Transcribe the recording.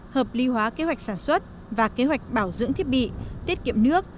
hợp lý hóa kế hoạch sản xuất và kế hoạch bảo dưỡng thiết bị tiết kiệm nước